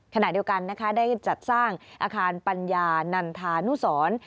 ขณะเดียวกันนะคะได้จัดสร้างอาคารปัญญานันทานุสร